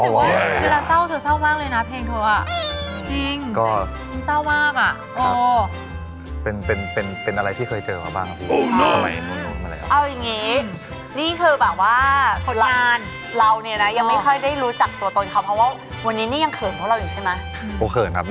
เวลาเศร้าเศร้ามากเลยนะเพลงเขา